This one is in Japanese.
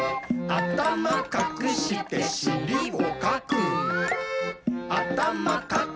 「あたまかくかくしりもかく！」